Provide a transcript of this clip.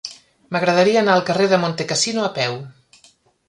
M'agradaria anar al carrer de Montecassino a peu.